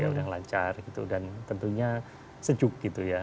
ya udah lancar gitu dan tentunya sejuk gitu ya